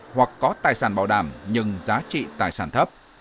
hoặc có tài sản bảo đảm nhưng giá trị tài sản thấp